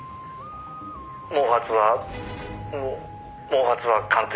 「毛髪はもう毛髪は鑑定を」